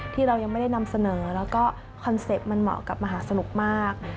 ที่เรายังไม่ได้นำเสนอแล้วก็คอนเซ็ปต์มันเหมาะกับมหาสนุกมาก